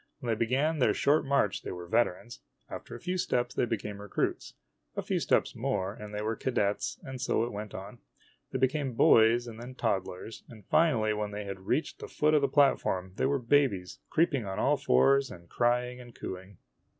When they began their short march they were veterans. After a few steps they became recruits. A few steps more, and they were cadets, and so it went on. They became boys and then toddlers ; and finally, when they reached the foot of the platform, they were babies, creeping on all fours and crying and cooing.